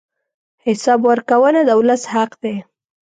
حساب ورکونه د ولس حق دی.